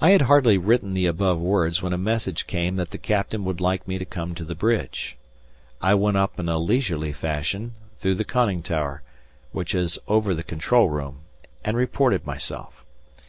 I had hardly written the above words when a message came that the captain would like me to come to the bridge. I went up in a leisurely fashion, through the conning tower, which is over the control room, and reported myself.